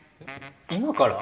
今から？